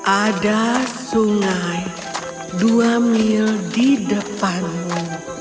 ada sungai dua mil di depanmu